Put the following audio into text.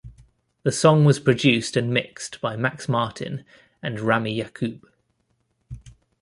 The song was produced and mixed by Max Martin and Rami Yacoub.